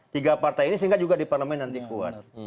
tiga partai ini sehingga juga di parlemen nanti kuat